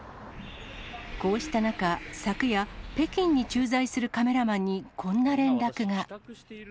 こうした中、昨夜、北京に駐在するカメラマンにこんな連絡が。